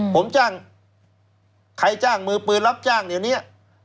ผมจ้างใครจ้างมือปืนรับจ้างเดี๋ยวนี้